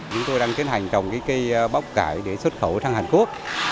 chúng tôi đang tiến hành trồng cây bắp cải để xuất khẩu sang hàn quốc